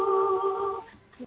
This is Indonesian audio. kamu dan aku